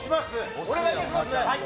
お願いいたしますね。